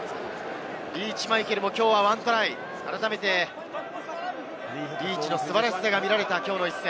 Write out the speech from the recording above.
リーチ・マイケルもきょうは１トライ、改めてリーチの素晴らしさが見られたきょうの一戦。